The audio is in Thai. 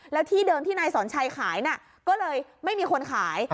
แล้วที่เดิมที่นายสอนชัยขายน่ะก็เลยไม่มีคนขาย